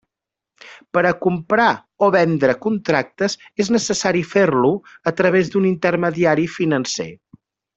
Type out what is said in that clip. Per a comprar o vendre contractes és necessari fer-lo a través d'un intermediari financer.